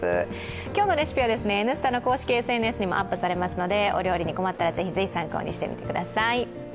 今日のレシピは「Ｎスタ」の公式ＳＮＳにもアップされますので、お料理に困ったらぜひぜひ参考にしてみてください。